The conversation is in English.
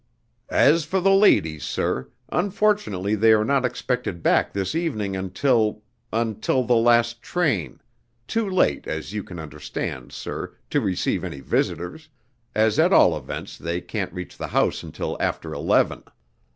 "As for the ladies, sir, unfortunately they are not expected back this evening until until the last train too late, as you can understand, sir, to receive any visitors, as at all events they can't reach the house until after eleven."